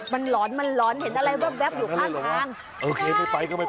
มันหล่อนเห็นอะไรแบบอยู่ภาคทาง